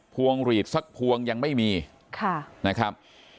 วงหลีดสักพวงยังไม่มีค่ะนะครับ